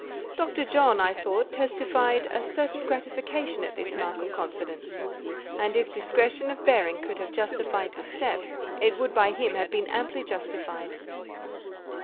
Dr. John, I thought, testified a certain gratification at this mark of confidence; and if discretion of bearing could have justified the step, it would by him have been amply justified.